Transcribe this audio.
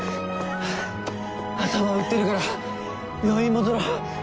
頭打ってるから病院戻ろう。